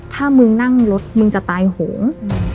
ถ้ามึงนั่งรถมึงจะตายโหง